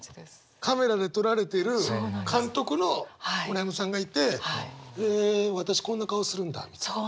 カメラで撮られてる監督の村山さんがいてへえ私こんな顔するんだみたいな？